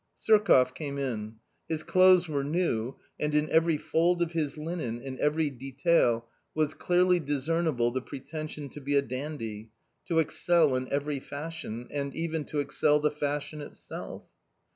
Surkoff came in. His clothes were new, and in every fold of his linen, in every detail, was clearly discernible the pre tension to be a dandy, to excel in every fashion, and even to excel the fashion itself.